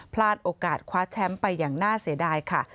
พลาดโอกาสคว้าแชมป์ไปอย่างน่าเสียดายค่ะ